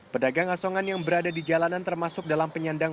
pedagang asongan yang berada di jalanan termasuk dalam penyandang